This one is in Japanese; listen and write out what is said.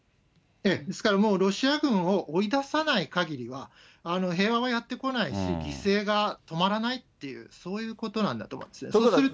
ですからもうロシア軍を追い出さないかぎりは、平和はやってこないし、犠牲が止まらないという、そういうことなんだと思うんですよ。